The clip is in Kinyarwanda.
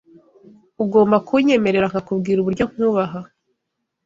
Ugomba kunyemerera nkakubwira uburyo nkubaha